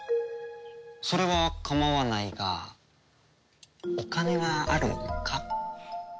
それは構わないがお金はあるのか？